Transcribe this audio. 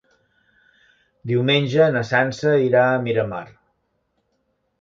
Diumenge na Sança irà a Miramar.